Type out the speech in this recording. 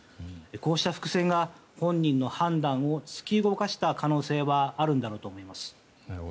こうした伏線が本人の判断を突き動かした可能性はあるんだろうと思います。